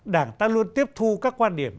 đảng ta luôn tiếp thu các quan điểm